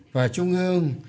và trung ương